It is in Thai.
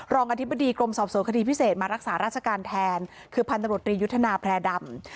อธิบดีกรมสอบสวนคดีพิเศษมารักษาราชการแทนคือพันธบรตรียุทธนาแพร่ดำ